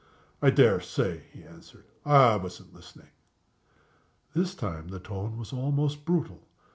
"I dare say," he answered. "I wasn't listening." This time the tone was almost brutal. Mrs.